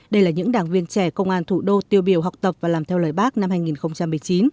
đây là những đảng viên trẻ công an thủ đô tiêu biểu học tập và làm theo lời bác năm hai nghìn một mươi chín